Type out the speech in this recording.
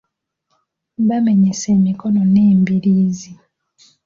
Baamenyese emikono n'embiriizi.